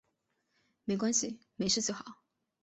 没关系，没事就好